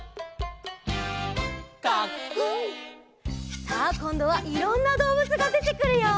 「カックン」さあこんどはいろんなどうぶつがでてくるよ。